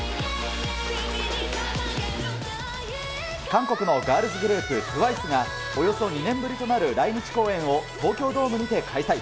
韓国のガールズグループ、ＴＷＩＣＥが、およそ２年ぶりとなる来日公演を東京ドームにて開催。